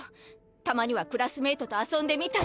たまにはクラスメイトと遊んでみたり。